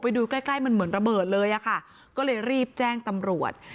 ดูใกล้ใกล้มันเหมือนระเบิดเลยอะค่ะก็เลยรีบแจ้งตำรวจ